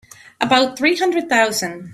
About three hundred thousand.